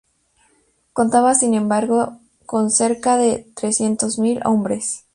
Contaba sin embargo con cerca de trescientos mil hombres.